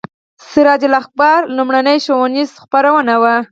سراج الاخبار لومړنۍ ښوونیزه خپرونه وه.